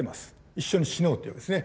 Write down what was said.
一緒に死のうというわけですね。